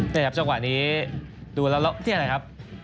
นี่ครับจังหวะนี้ดูแล้วเนี่ยนะครับ